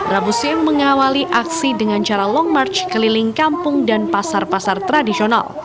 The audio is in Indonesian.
rabu sim mengawali aksi dengan cara long march keliling kampung dan pasar pasar tradisional